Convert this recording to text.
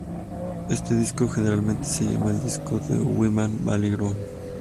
Este disco generalmente se llama el "disco de Wiman-Valiron".